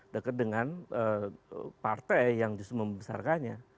dekat dengan partai yang justru membesarkannya